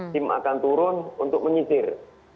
tim akan turun untuk menyisir